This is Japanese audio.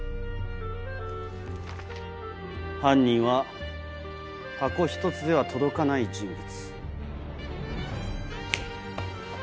犯人は箱１つでは届かない人物。